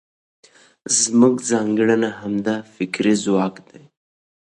زموږ ځانګړنه همدا فکري ځواک دی.